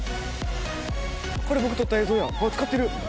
これ僕撮った映像や使ってる！